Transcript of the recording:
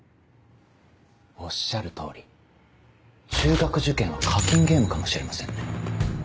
おっしゃる通り中学受験は課金ゲームかもしれませんね。